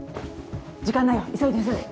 時間ないよ急いで急いで。